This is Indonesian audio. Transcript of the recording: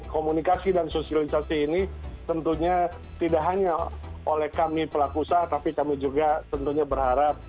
komunikasi dan sosialisasi ini tentunya tidak hanya oleh kami pelaku usaha tapi kami juga tentunya berharap